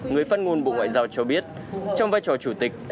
người phát ngôn bộ ngoại giao cho biết trong vai trò chủ tịch